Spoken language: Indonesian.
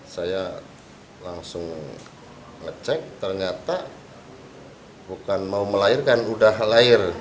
saya langsung ngecek ternyata bukan mau melahirkan udah lahir